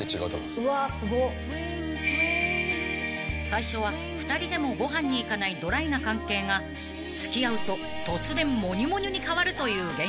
［最初は２人でもご飯に行かないドライな関係が付き合うと突然モニュモニュに変わるという現象］